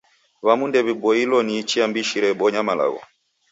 W'amu ndew'iboilo ni chia mbishi rebonya malagho.